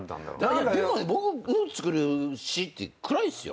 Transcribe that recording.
でも僕の作る詞って暗いですよ。